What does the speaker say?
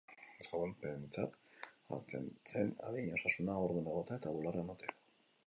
Salbuespentzat hartzen zen adina, osasuna, haurdun egotea eta bularra ematea.